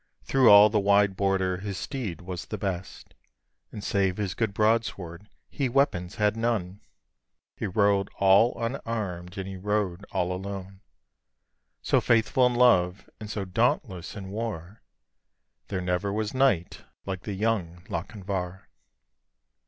Through all the wide Border his steed was the best; And save his good broadsword, he weapons had none; He rode all unarm'd, and he rode all alone. So faithful in love, and so dauntless in war, There never was knight like the young Lochinvar.